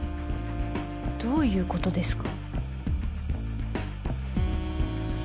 どういうことですか？